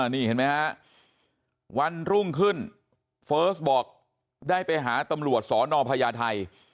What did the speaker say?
นี่เห็นไหมฮะวันรุ่งขึ้นเฟิร์สบอกได้ไปหาตำรวจสนพญาไทย